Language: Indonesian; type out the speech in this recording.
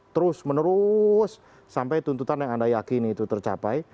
terus menerus sampai tuntutan yang anda yakin itu tercapai